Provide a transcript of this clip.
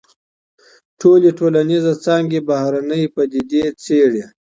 ټولي ټولنيزي څانګي بهرنۍ پديدې څېړي.